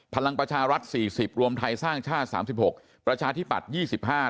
พลังประชารัฐสี่สิบรวมไทยสร้างชาติสามสิบหกประชาธิปัตยี่สิบห้า